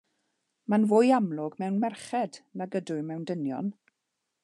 Mae'n fwy amlwg mewn merched nag ydyw mewn dynion.